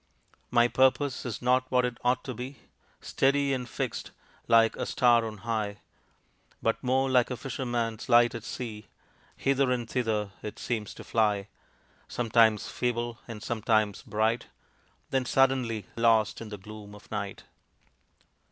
My purpose is not what it ought to be, Steady and fixed, like a star on high, But more like a fisherman's light at sea; Hither and thither it seems to fly Sometimes feeble, and sometimes bright, Then suddenly lost in the gloom of night.